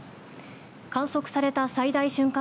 観測された最大瞬間